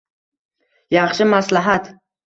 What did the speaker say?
Yaxshi maslahat